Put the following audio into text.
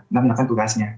dan menekan tugasnya